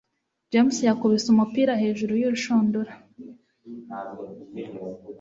James yakubise umupira hejuru y'urushundura